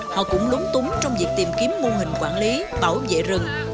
họ cũng lúng túng trong việc tìm kiếm mô hình quản lý bảo vệ rừng